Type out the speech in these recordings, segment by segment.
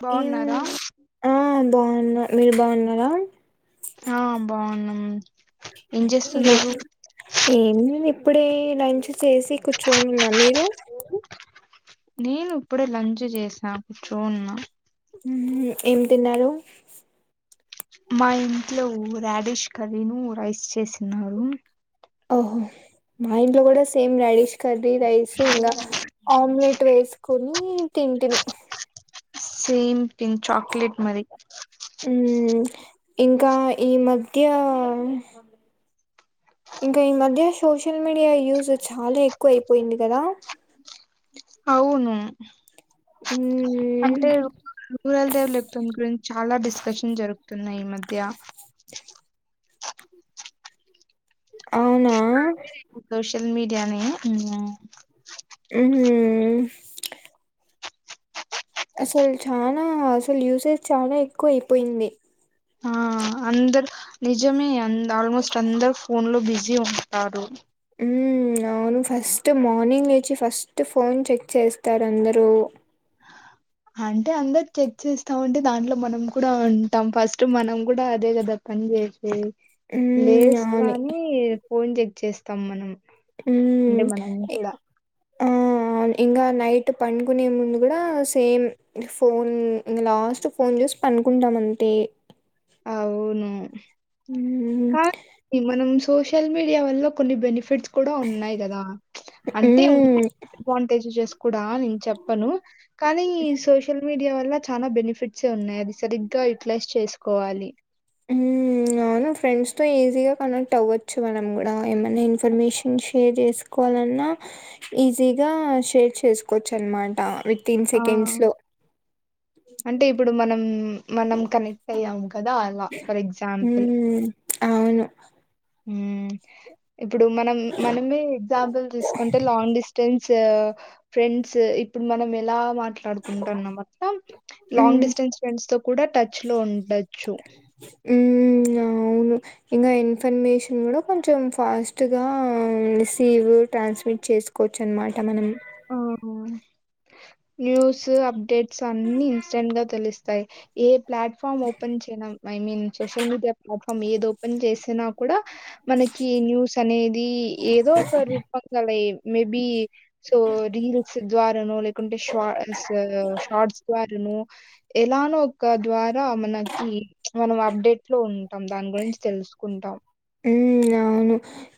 బావున్నారా? బాగున్న. మీరు బాగున్నారా? ఆ బాగున్నాం ఏం ఏ చేస్తున్నారు ఏ ఇప్పుడే లంచ్ చేసి కూర్చొని ఉన్నా మీ హలో నేను ఇప్పుడే లంచ్ చేసాను టోన్ ఏం తిన్నారు? మా ఇంట్లో డిీష్ కరీను రైస్ చేసన్నారు. ఓహో మా ఇంట్లో కూడా సేమ్ రడిష్ కర్రీ రైస్ ఇంగ ఆమ్లెట్ వేసుకొనీ తింటిని సీమ్ ఇన్ చాక్లేట్ మరి మ్మ్, ఇంకా ఈ మధ్యా ఇంకా ఈ మధ్య సోషల్ మీడియా యూజు చాలా ఎక్కువ అయిపోయింది కదా అవును మ్మ్, అంటే రూరల్ దేవులుప్ాం గురించి చాలా డిస్కషన్ జరుగుతున్నాయి ఈ మధ్య అవునా అనీ జ్ఞా ఉ అసలు చనా అసలు యూసేజ్ చాలా ఎక్కువ అయిపోయింది ఆ అందరు నిజమే అం ఆల్మోస్ట్ అందరు ఫోన్ లో బిజీ ఉంటారు హ్మ్ అవును ఫస్ట్ మార్నింగ్ లేచి ఫస్ట్ ఫోన్ చెక్ చేస్తారు అందరూ అంటే అందరు చెక్ చేస్థావుంటే దాంట్లో మనం కూడా ఉంటాం ఫస్ట్ మనం కూడా అదే కదా పని చేసే హ్మ్ అవును లేస్తని ఫోన్ చెక్ చేస్తాం మనం హ్మ్ అంటే మనం కూడా ఆ ఇంగ నైట్ పడుకునే ముందు కూడా సేమ్ ఫోన్ లాస్ట్ ఫోన్ చూసి పనుకుంటాం అంతే అవును హ్మ్ కానీ మనం స్కూ సోషల్ మీడియా వల్ల కొన్ని బెనిఫిట్స్ కూడా ఉన్నాయి కదా అంటే హ్మ్ [inaudible] అడ్వాంటేజస్ బా నేను చెప్పను కానీ సోషల్ మీడియా వల్ల చాన బెనిఫిట్స్ ఉన్నాయి అది సరిగ్గా యుటిలైజ్ చేస్ కోవాలి మ్మ్ అవును ఫ్రెండ్స్తో ఈజీగా కనెక్ట్ అవ్వచ్చు మనం కూడా ఏమన్నా ఇన్ఫర్మేషన్ షేర్ చేసుకోవాలన్నా ఈజీగా షేర్ చేసుకోచ్చు అనమాట విత్ ఇన్ ఆ సెకండ్స్ లో. అంటే ఇప్పుడు మనం మనం కనెక్ట్ అయ్యాము కదా అలా ఫర్ ఎగ్జాంపుల్ హ్మ్ అవును మ్మ్ ఇప్పుడు మనం మనమే ఎగ్జాంపుల్ తీసుకుంటే లాంగ్ డిస్టెన్స్ ఫ్రెండ్స్ ఇప్పుడు మనం ఎలా మాట్ ట్లాడుకుంటున్నామో అట్లా లాంగ్ హ్మ్ డిస్టెన్స్ ఫ్రెండ్స్ తో కూడా టచ్ లో ఉండచ్ చ్చు ఇంకా ఇన్ఫర్మేషన్ కూడా కొంచెం ఫాస్ట్గా రిసీవ్ ట్రాన్స్మిట్ చేసుకోవచ్చు అనమాట మనం ఆ న్యూస్ అప్డేట్ స అన్ని ఇసంగ తెలుస్ యి ఏప్ ప్లాట్ఫామ్ ఓపెన్ చేయడం ఐ మీన్ సోషల్ మీడియా మొఖం ఏద ఓపెన్ చేసినా కూడా మనకి న్యూస్ అనేది ఏదో ఒక రూపంగాల మేబి సో రీల్స్ ద్వారానో లేకుంటే షార్ట్స్ షార్ట్స్ ద్వారా నో ఎలాన ఒక ద్వారా మనకి మనం అప్డేట్ లో ఉంటాం దాని గురించి తెలుసుకుంటాం మ్మ్ అవును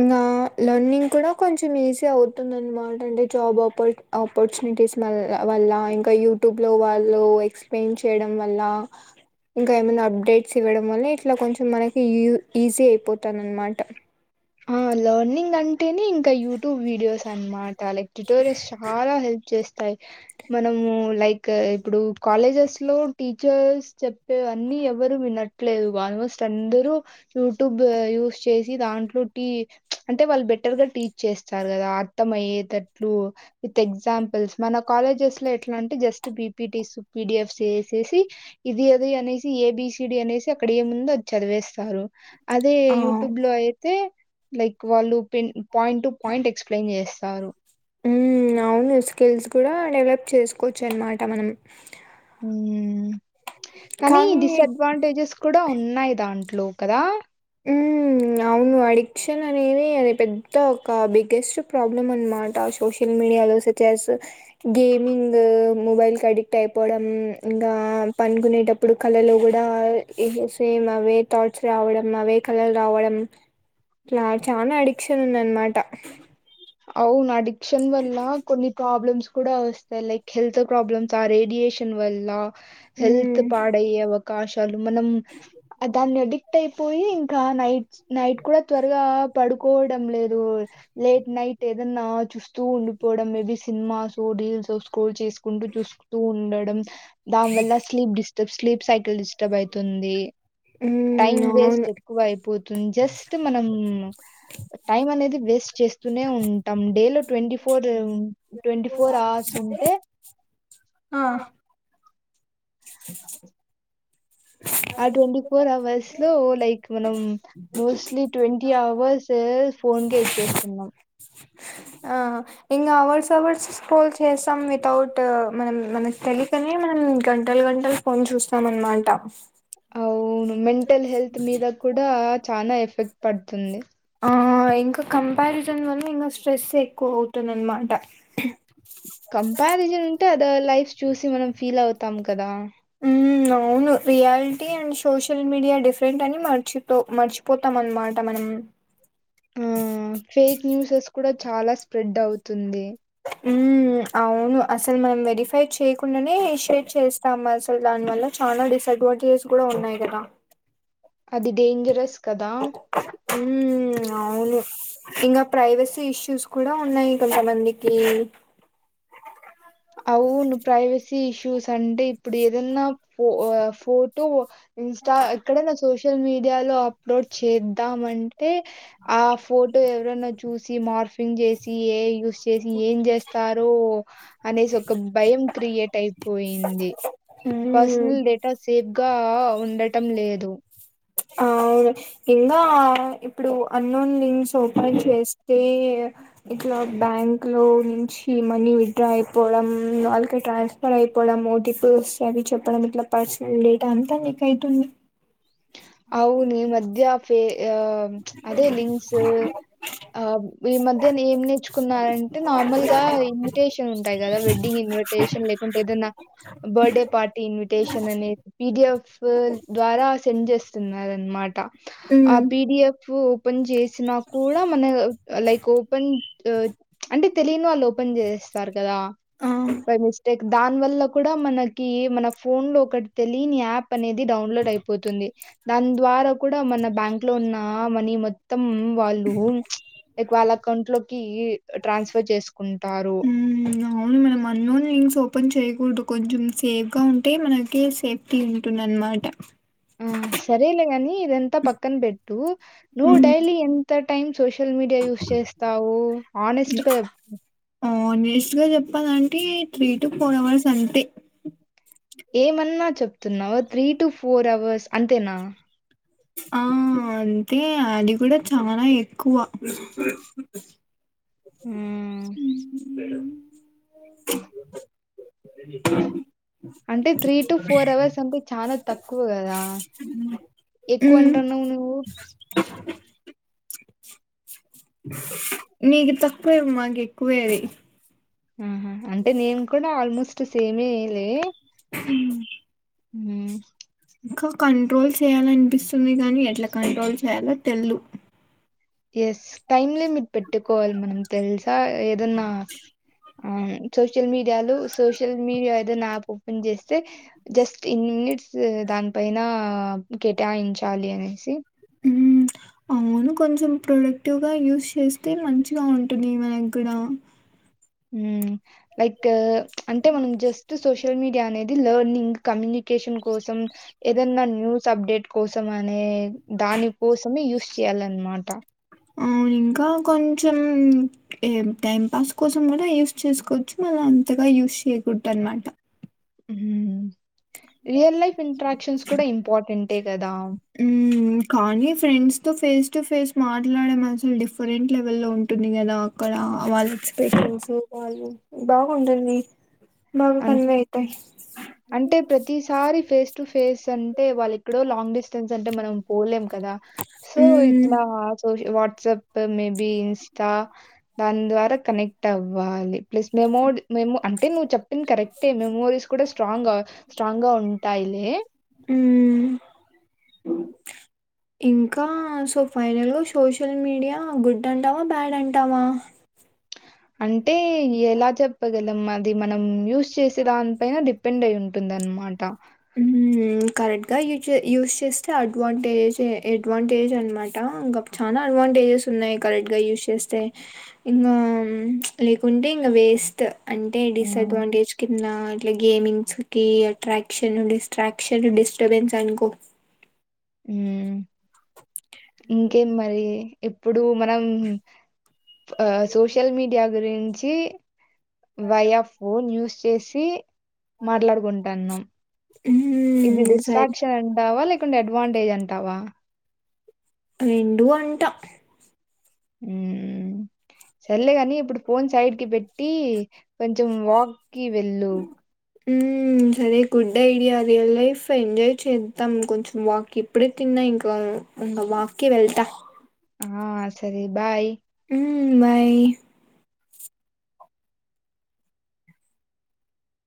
ఇంకా లర్నింగ్ కూడా కొంచెం ఈజీ అవుతుందన్నమాట అంటే జాబ్ ఆపర్ ఆపర్చునిటీస్ వల్ల ఇంకా యూట్యూబ్లో వాళ్ళు ఎక్స్ప్లెయిన్ చేయడం వల్ల ఇంకా ఏమైనా అప్డేట్స్ ఇవ్వడం వల్ల ఇట్లా కొంచెం మనకి యూజ్ ఈజీ అయిపోత్ తనన్నమాట ఆ లర్నింగ్ అంటేనే ఇంకా యూట్యూబ్ వీడియోస్ అనమాట లైక్ టిటోరియస్ చాలా హెల్ప్ చేస్త యి మనము లైక్ ఇప్పుడు కాలేజెస్ లో టీచర్స్ చెప్పేవన్నీ ఎవరు వినట్లేదు ఆల్మోస్ట్ అందరు యూట్యూబ్ యూస్ చేసి దాంట్లో టీ అంటే వాళ్ళు బెటర్ గా టీచ్ చేస్తారు కదా అర్థం అయ్యేటట్లు విత్ ఎగ్జాంపుల్స్ మన కాలేజెస్ లో ఎట్లా అంటే జస్ట్ పీ. పీ. టి స్ పి. డి. ఎఫ్ స్ వేసేసి ఇది అది అనేసి ఏబిసిడి అనేసి అక్కడ ఏ ముంధో అది చదివేస్తారు అదే ఆ! యూట్యూబ్ లో అయితే లైక్ వాళ్ళు పెన్న్ పాయింట్టు పాయింట్ ఎక్స్ప్లయిన్ చేస్ సారు మ్మ్ అవును స్కిల్స్ కూడా డెవలప్ చేసుకోవచ్చు అనమాట మనం మ్మ్ కానీ డిసడ్వాంటేజెస్ కూడా ఉన్నాయి దాన్ ట్లు కదా హుమ్ అవును అడిక్షన్ అనేది అది పెద్ద ఒక బిగ్గెస్ట్ ప్రాబ్లమ్ అనమాట సోషల్ మీడియాలో సచ్ ఎస్ గేమింగ్ మొబైల్కి అడిక్ట్ అయిపోవడం ఇంకా పనుకునేటప్పుడు కళలో కూడా సేమ్ అవే థాట్స్ రావడం ఆవే కళలు రావడం ఇట్ల చాలా అడిక్షన్ ఉంది అనమాట అవును అడిక్షన్ వల్ల కొన్ని ప్రాబ్లమ్స్ కూడా వస్తాయి లైక్ హెల్త్ ప్రాబ్లమ్స్ ఆ రేడియేషన్ వల్ల హెల్త్ హ్మ్. పాడయియవ కాష్ చాలు మనం దాన్ని అడిక్ పట్ అయిపోయి ఇంకా నైట్ నైట్ కూడా త్వరగా పడు కోవడం లేదు లేట్ నైట్ ఏదన్నా చూస్తూ ఉండిపోవడం మేబీ సినిమాస్ రీల్స్ స్క్రోల్ చేసుకుంటూ చూస్తూ ఉండడం దాని వల్ల sleep disturbs sleep cycle disturb అయితుంది హ్మ్. టైం వేస్ట్ అవును. ఎక్కువ అయిపోతుంది జస్ట్ మనం టైం అనేది వేస్ స్తూనే ఉంటాం డేలో ట్వీ ఫోర్ ట్వంటీ ఫోర్ అవర్స్ ఉంటే స [inaudible] ఆ ట్వంటీ ఫోర్ అవర్స్ లో లైక్ మనం మోస్ట్లీ ట్వంటీ అవర్స్ ఫోన్ కే ఇచ్చేస్తున్నాం ఆ ఇంకా అవర్స్ అవర్స్ స్క్రోల్ చేస్తాం వితౌట్ మనం మనం తెలికనే మన్ గంటలు గంటలు ఫోన్ చూస్తాం అనమాట అవును మెంటల్ హెల్త్ మీద కూడా చాల ఎఫెక్ట్ పడుతుంది ఆ ఇంకా కంపారిజన్ వల్ల ఇంకా స్ట్రెస్ ఎక్కువ అవుతుంది అనమాట కంపారిజన్ ఉంటే లైఫ్ చూసి మనం ఫీల్ అవుతాం కదా అవును reality and social media different అని మర్చిపో మర్చిపోతాం అన్నమాట మనం ఆ ఫేక్ న్యూసెస్ కూడా చాలా స్ప్రెడ్ అవుతుంది ఉమ్ అవును అసలు మనం వెరిఫై చేయకుండానే షేర్ చేస్తాము అసలు దాని వల్ల చాలా డిసడ్వాంటేజెస్ కూడా ఉన్నాయి కదా అది డేంజరస్ కదా ఉమ్, అవును ఇంగ ప్రైవసీ ఇష్యూస్ కూడా ఉన్నాయి కొంతమందికి అవును ప్రైవేస్ ఇష్యూస్ అంటే ఇప్పుడు ఏదన్నా పో ఫోటో ఇన్స్టా ఎక్కడైనా సోషల్ సోషల్ మీడియాలో అప్లోడ్ చేద్దామండి తే ఆ ఫోటో ఎవరన్నా చూసి సి మార్ఫింగ్ చేసి ఏ యూస్ చేసి ఏం జేస్తారు అనేసి ఒక భయం క్రియేట్ అయి పోయింది హ్మ్ పర్సనల్ డేటా సేఫ్గా ఉండటం లేదు అవు ఇంగాఇప్పుడు అన్నోనింగ్ ఓపన్ చేస్తే ఇట్లా బ్యాంక్ లో నుంచి ఈ మనీ విత్ డ్రా చేసి పోవడం వాళ్ళకి ట్రాన్స్ఫర్ అయిపోవడం ఓ టిపో వస్త అవి చెప్పడం ఇట్లా పర్సనల్ డేట్ అంతా లీక్ అయితుంది అవును ఈమధ్య ఫె యా అదే లింక్స్ ఆ ఈ మధ్య ఏం నేర్చుకున్నారంటే నార్మల్ గా ఇన్విటేషన్ ఉంటాయి కదా వెడ్డింగ్ ఇన్విటేషన్ లేకుంటే ఏదైనా బర్త్డే పార్టీ ఇన్విటేషన్ అనేది పిడిఎఫ్ ద్వారా సెండ్ చేస్త. తున్నారనమాట. ఆ హ్మ్ పిడిఎఫ్. పని చే. చేసిన కూడా మన లైక్ ఓపెన్ అంటే తెలియని వాళ్ళు ఓ. ఓపెన్ చేస్తారు. కదా ఆ బై మిస్టేక్ దాని వల్ల కూడా మన. కీ మన ఫోన్ లో ఒకటి తెలియని యాప్ కి. అనేది డౌన్లోడ్ అయిపోతుంది. దాని ద్వారా కూడా మన బ్యాంక్ లో ఉన్న మని మొత్తం. వాళ్ళు లైక్ వాళ్ళ ఎకౌంట్ లో. కీ ట్రాన్స్ఫర్ చేసు. మ్ అవును మేడమ్ అన్నోను లింస్ ఓ. పని చేయకూడదు కొంచెం సేఫ్ గా ఉంటే మనకి సేఫ్టీ ఉంటుంది అనమాట. ఆ సరేలే గానీ ఇదంతా పక్కన బెట్టు నువ్వు డైలీ ఎంత. టైం సోషల్ మీడియా యూస్ చేస్తావు ఆనెస్ట్ గా. ఆనెస్ట్ గా చెప్పాలి అంటే త్రీ టు ఫోర్ అవర్స్ అంతే. ఏమన్నా చెప్పు. తున్నావు త్రీ టు ఫోర్ అవర్స్ అంతేనా. ఆహా అంటే అది కూడా చాలా ఎక్కువ. మ్మ్ హ హు. అంటే త్రీ టు ఫోర్ అవర్స్ అంటే చాలా తక్కువ కదా ఎక్కువ మ్ అంటున్నావు నువ్వు. సు సూ. నీకు. తక్కువే మాకు ఎక్కువే అది. ఆహ్ అంటే నేను కూడా ఆల్మోస్ట్ సేమేలే. హ్మ్. హ్మ్. ఇంకా కంట్రోల్ చేయాలనిపిస్తుంది గానీ ఎట్లా కంట్రోల్ చేయాలో తెల్లు. ఎస్ టైమ్ లిమిట్ పెట్టుకోవాలి మనం తెలుసా ఏదన్నా. అవును సోషల్ మీడియాలు సోషల్ మీడియా ఏదో నాయాప్ ఓపెన్ చేస్తే. తే జస్ట్ ఇన్నిట్స్. దానిపైన కేటాయించాలి అనేసి. హు అవును కొంచెం ప్రొడక్టివ్గా యూస్ చేస్తే మంచిగా ఉంటది మనక్కూడా మ్మ్ లైక్ అంటే మనం జస్ట్ సోషల్ మీడియా అనేది the learning community communication కోసం ఏదన్న న్యూస్ అప్డేట్ కోసం అనే దాని కోసమే యూస్ చేయాలన్నమాట ఆ ఇంకా కొంచెం ఏ టైం పాస్ కోసం కూడా యూస్ చేసుకోవచ్చు మళ్ళ అంతగా యూస్ చేయకూడదు అనమాట మ్మ్ రియల్ లైఫ్ ఇంట్రాక్షన్స్ కూడా ఇంపార్టెంట్ హు కానీ ఫ్రెండ్స్ తో ఫేస్ టు ఫేస్ మాట్లాడే అసలు డిఫరెంట్ లెవె లో ఉంటుంది కదా అక్కడ వాళ్ళ ఎక్స్పెషన్స్ వాళ్ళు బాగుంటుంది. బాగా అం కన్వే అయితాయి. అంటే ప్రతిసారి ఫేస్ టు ఫేస్ అంటే వాళ్ళకి ఎక్కడో లాంగ్ డిస్టెన్స్ అంటే మనం పోలేం కదా సో హ్మ్. ఇట్లా సోష వాట్సప్ మేబి ఈ ఇన్స్టా దాని ద్వారా కనెక్ట్ అవ్వాలి ప్లస్ మెమో మెమో అంటే నువ్వు చెప్పింది కరెక్టే మెమోరీస్ కూడా స్ట్రాంగ్ గా స్ట్రాంగ్ గా ఉంటాయిలే మ్మ్ ఇంకా సో ఫైనల్గా షోషల్ మీడియా గుడ్ అంటావా బ్యాడ్ అంటావా అం అంటే ఎలా చెప్పగల మనం అది మనం యూస్ చేసే దాని పైన డిపెండ్ అయి ఉంటుంది అనమాట కరెక్ట్గా యూజ యూజ్ చేస్తే అడ్వాంటేజెసే అడ్వాంటేజ్ అనమాట బట్ చాలా అడ్వాంటేజెస్ ఉన్నాయి కరెక్ట్గా యూస్ చేస్తే ఇంకా ప్చ్ లేకుంటే ఇంకా వేస్ట్ అంటే ఆ! డిసడ్వాంటేజ్ కింద ట్ గేమింగ్స్ కి అట్రాక్ట్ క్షన్ డిస్ట్రాక్షన్ డిస్టబెన్స్ అనుకో మ్మ్ ఇంకేం మరి ఎప్పుడు మనం ఆ సోషల్ మీడియా గురించి వయా ఫోన్ యూస్ చేసి మాట్లాడుకుంటాన్నాం ఇది హ్మ్. సరే డిస్ట్రాక్షన్ అంటారా లేక అడ్వాంటేజంటావా రెండూ అంట హ సల్లే కాని ఇప్పుడు ఫోన్ సైడ్ కి పెట్టి కొంచెం వాక్కిి వెళ్ళు సరే good idea real life enjoy చేద్దాం కొంచెం వాక్ ఇప్పుడే తిన్నా ఇంకా ఇంకా వాక్కిి వెళ్తా ఆ సర బాయ్ ఉ బాయ్